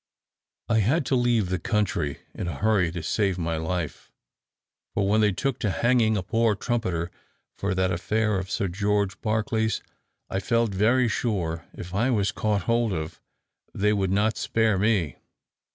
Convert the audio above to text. I had to leave the country in a hurry to save my life: for when they took to hanging a poor trumpeter for that affair of Sir George Barclay's, I felt very sure if I was caught hold of they would not spare me."